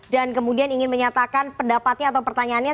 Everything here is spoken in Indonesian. dan kemudian ingin menyatakan pendapatnya atau pertanyaannya